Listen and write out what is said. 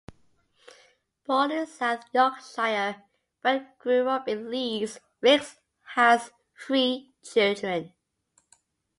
Born in South Yorkshire but grew up in Leeds, Rix has three children.